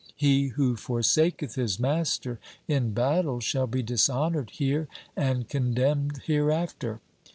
He who forsaketh his master in battle shall be dishonoured here and condemned hereafter.